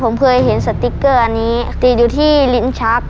ผมเคยเห็นสติ๊กเกอร์อันนี้ติดอยู่ที่ลิ้นชัก